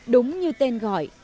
đúng như tên gọi